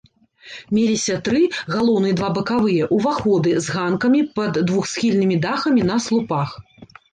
Меліся тры, галоўны і два бакавыя, уваходы з ганкамі пад двухсхільнымі дахамі на слупах.